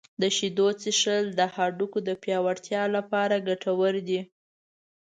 • د شیدو څښل د هډوکو د پیاوړتیا لپاره ګټور دي.